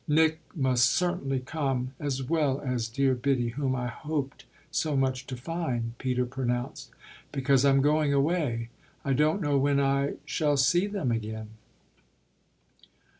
"Nick must certainly come, as well as dear Biddy, whom I hoped so much to find," Peter pronounced. "Because I'm going away I don't know when I, shall see them again."